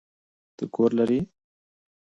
ته کور لری؟